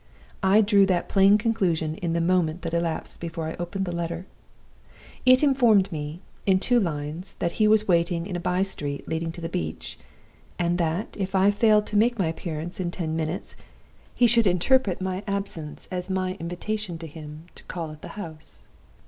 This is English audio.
I drew that plain conclusion in the moment that elapsed before I opened the letter. It informed me, in two lines, that he was waiting in a by street leading to the beach; and that, if I failed to make my appearance in ten minutes, he should interpret my absence as my invitation to him to call at the house.